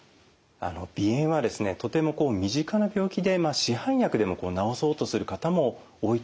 鼻炎はですねとても身近な病気で市販薬でも治そうとする方も多いと思います。